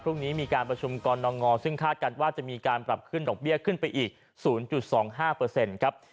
พรุ่งนี้มีการประชุมกรณงซึ่งคาดกันว่าจะมีการปรับขึ้นดอกเบี้ยขึ้นไปอีก๐๒๕ครับ